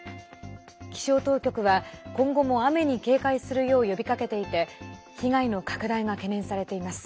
気象当局は今後も雨に警戒するよう呼びかけていて被害の拡大が懸念されています。